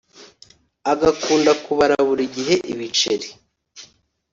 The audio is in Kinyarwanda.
agakunda kubara buri gihe ibiceri